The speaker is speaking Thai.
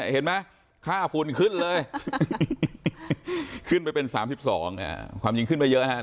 เห็นไหมค่าฝุ่นขึ้นเลยขึ้นไปเป็น๓๒ความจริงขึ้นไปเยอะนะครับ